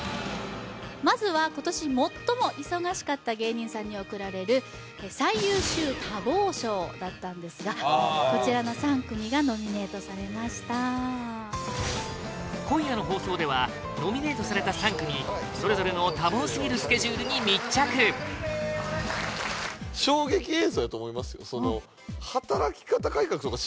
まずは今年最も忙しかった芸人さんに贈られる最優秀多忙賞だったんですがこちらの３組がノミネートされました今夜の放送ではノミネートされた３組それぞれの多忙すぎるスケジュールに密着衝撃映像やと思いますよ